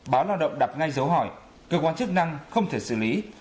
báo lao động đặt ngay dấu hỏi cơ quan chức năng không thể xử lý